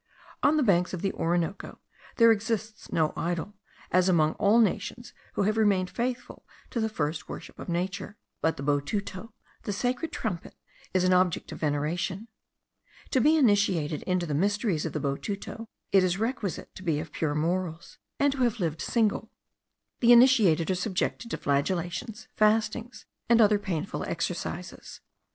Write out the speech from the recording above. On the banks of the Orinoco there exists no idol, as among all the nations who have remained faithful to the first worship of nature, but the botuto, the sacred trumpet, is an object of veneration. To be initiated into the mysteries of the botuto, it is requisite to be of pure morals, and to have lived single. The initiated are subjected to flagellations, fastings, and other painful exercises.